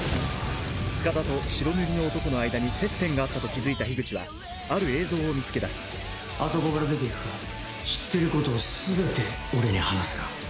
塚田と白塗りの男の間に接点があったと気付いた口はある映像を見つけ出すあそこから出て行くか知ってることを全て俺に話すか。